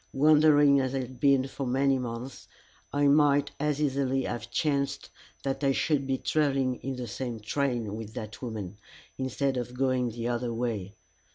Wandering as I had been for many months, it might as easily have chanced that I should be travelling in the same train with that woman, instead of going the other way.